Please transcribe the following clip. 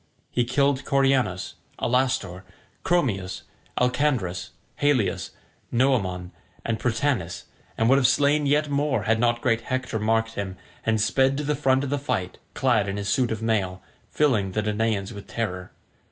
He killed Coeranus, Alastor, Chromius, Alcandrus, Halius, Noemon, and Prytanis, and would have slain yet more, had not great Hector marked him, and sped to the front of the fight clad in his suit of mail, filling the Danaans with terror.